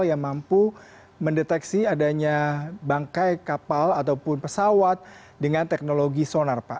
yang mampu mendeteksi adanya bangkai kapal ataupun pesawat dengan teknologi sonar pak